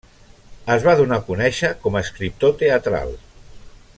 Es va donar a conèixer com a escriptor teatral.